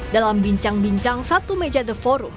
dalam bincang bincang satu meja the forum